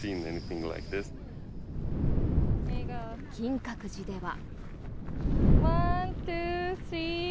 金閣寺では。